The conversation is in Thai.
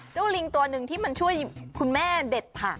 ลิงตัวหนึ่งที่มันช่วยคุณแม่เด็ดผัก